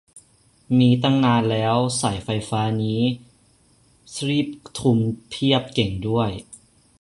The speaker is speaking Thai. มีตั้งนานแล้ว สายไฟฟ้านี่ ศรีปทุมเพียบ เก่งด้วย